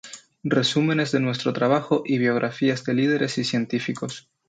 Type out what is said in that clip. Resúmenes de nuestro trabajo y biografías de líderes y científicos.